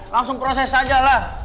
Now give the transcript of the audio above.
langsung proses aja lah